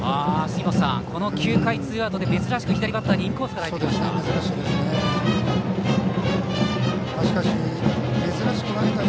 杉本さん、９回ツーアウトで珍しく左バッターにインコースから入ってきました。